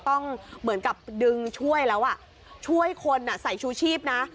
ต้องเหมือนกับดึงช่วยแล้วอ่ะช่วยคนใส่ชูชีพนะ